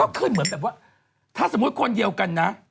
ก็ขึ้นเหมือนแบบว่าถ้าสมมุติคนเดียวกันนะ